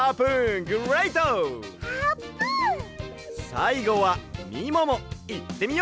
さいごはみももいってみよう！